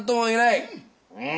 うん！